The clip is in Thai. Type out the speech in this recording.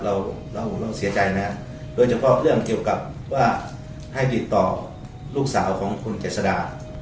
เราต้องเสียใจนะโดยเฉพาะเรื่องเกี่ยวกับว่าให้ติดต่อลูกสาวของคุณเจษดา